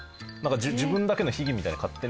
自分だけの秘技みたいに勝手に。